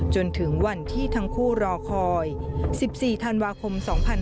จนถึงวันที่ทั้งคู่รอคอย๑๔ธันวาคม๒๕๕๙